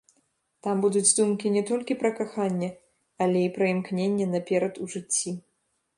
Там будуць думкі не толькі пра каханне, але і пра імкненне наперад у жыцці.